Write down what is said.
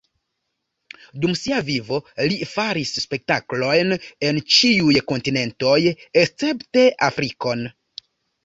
Dum sia vivo li faris spektaklojn en ĉiuj kontinentoj escepte Afrikon.